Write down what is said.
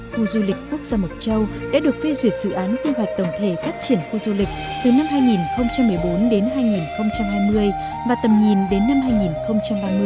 khu du lịch quốc gia mộc châu đã được phê duyệt dự án quy hoạch tổng thể phát triển khu du lịch từ năm hai nghìn một mươi bốn đến hai nghìn hai mươi và tầm nhìn đến năm hai nghìn ba mươi